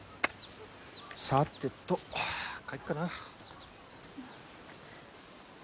さてと帰っかな。